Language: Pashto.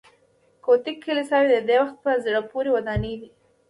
ګوتیک کلیساوې د دې وخت په زړه پورې ودانۍ دي.